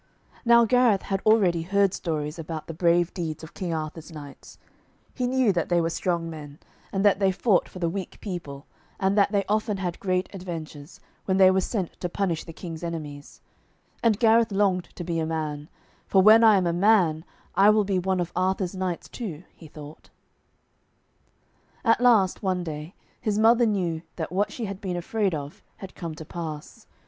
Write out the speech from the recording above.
Now Gareth had already heard stories about the brave deeds of King Arthur's knights. He knew that they were strong men, and that they fought for the weak people, and that they often had great adventures, when they were sent to punish the King's enemies. And Gareth longed to be a man, for 'when I am a man, I will be one of Arthur's knights, too,' he thought. [Illustration: SOMETIMES THE BIRDS & BEASTS HIS WOODLAND FRIENDS WOULD CALL TO HIM Page 61] At last, one day, his mother knew that what she had been afraid of had come to pass.